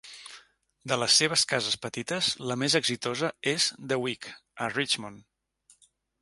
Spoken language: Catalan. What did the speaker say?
De les seves cases petites, la més exitosa és The Wick, a Richmond.